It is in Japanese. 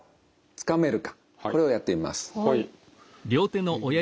これをやってみます。